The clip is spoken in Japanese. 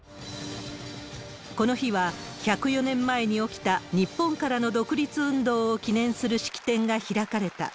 この日は、１０４年前に起きた、日本からの独立運動を記念する式典が開かれた。